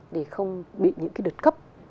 để không bị những cái đợt cấp